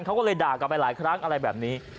เขาก็เลยด่ากลับไปหลายครั้งอะไรแบบนี้